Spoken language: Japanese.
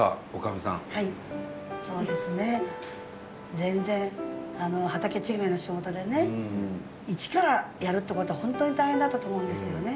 全然畑違いの仕事でね一からやるってことは本当に大変だったと思うんですよね。